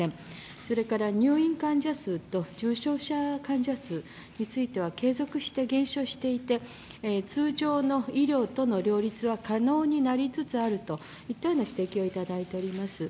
それから、入院患者数と重症者患者数については、継続して減少していて、通常の医療との両立は可能になりつつあるといった指摘を頂いております。